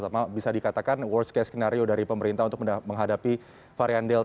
terutama bisa dikatakan worst case scenario dari pemerintah untuk menghadapi varian covid sembilan belas